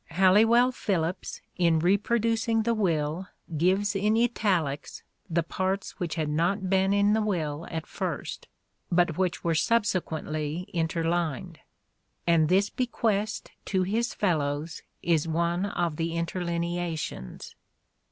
Halliwell Phillipps in reproducing the will gives in italics the parts which had not been in the will at first, but which were subsequently interlined : and this bequest to his " fellowes " is one of the interlineations.